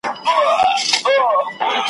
له رقیبه مو ساتلی راز د میني `